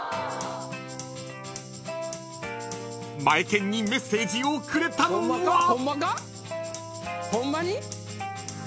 マエケンにメッセージをくれたのは。